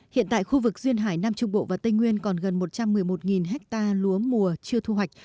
hiện tại khu vực duyên hải nam trung bộ và tây nguyên còn gần một trăm một mươi một ha lúa mùa chưa thu hoạch